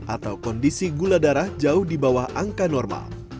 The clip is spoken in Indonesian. atau kondisi gula darah jauh di bawah angka normal